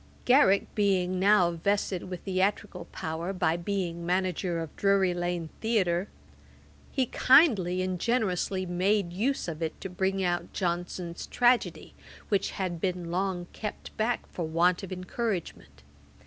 1749.] Garrick being now vested with theatrical power by being manager of Drury lane theatre, he kindly and generously made use of it to bring out Johnson's tragedy, which had been long kept back for want of encouragement.